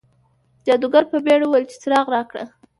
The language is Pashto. جادوګر په بیړه وویل چې څراغ راکړه.